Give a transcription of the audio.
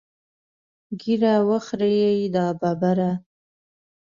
ږیره وخورې دا ببره.